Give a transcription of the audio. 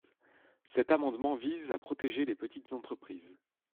Cet amendement vise à protéger les petites entreprises.